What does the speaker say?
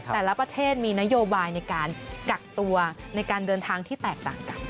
แต่ละประเทศมีนโยบายในการกักตัวในการเดินทางที่แตกต่างกัน